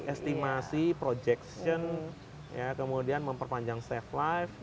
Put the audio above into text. optimasi projection kemudian memperpanjang staff life